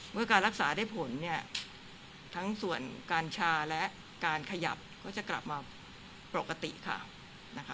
เมื่อการรักษาได้ผลเนี่ยทั้งส่วนการชาและการขยับก็จะกลับมาปกติข่าวนะคะ